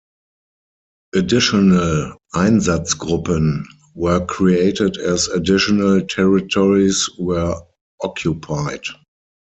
Additional "Einsatzgruppen" were created as additional territories were occupied.